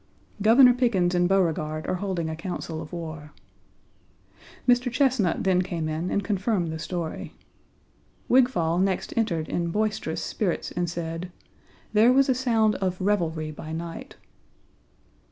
Governor Pickens and Beauregard are holding a council of war. Mr. Chesnut then came in and confirmed the story. Wigfall next entered in boisterous spirits, and said: "There was a sound of revelry by night."